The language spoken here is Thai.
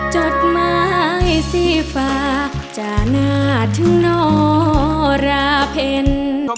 จดไม้สีฟ้าจะหนาถึงโนราเผ็น